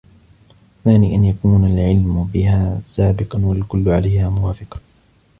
وَالثَّانِي أَنْ يَكُونَ الْعِلْمُ بِهَا سَابِقًا وَالْكُلُّ عَلَيْهَا مُوَافِقًا